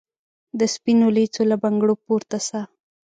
د سپینو لېڅو له بنګړو پورته سه